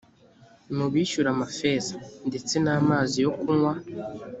mubishyure amafeza; ndetse n’amazi yo kunywa